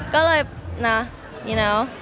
ก็เลยเนาะเนา้ว